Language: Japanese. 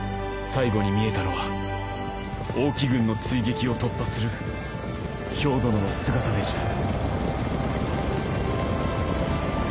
最後に見えたのは王騎軍の追撃を突破する漂殿の姿でした。